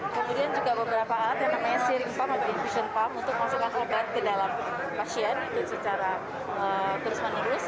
kemudian juga beberapa alat yang namanya sharing pump atau infusion pump untuk masukkan obat ke dalam pasien secara terus menerus